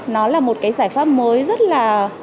nó là một cái giải pháp mới rất là